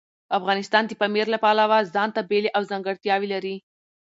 افغانستان د پامیر له پلوه ځانته بېلې او ځانګړتیاوې لري.